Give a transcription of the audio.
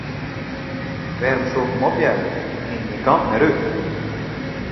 Wêrom soe ik him opjeie, hy kin gjin kant mear út.